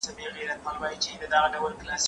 زه لاس نه پرېولم!.